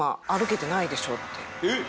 えっ！